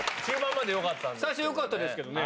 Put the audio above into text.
最初、よかったんですけれども。